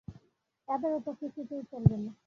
এবারে তা কিছুতেই চলবে না।